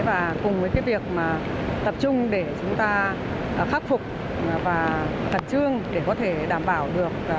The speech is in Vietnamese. và cùng với việc tập trung để chúng ta khắc phục và thật chương để có thể đảm bảo được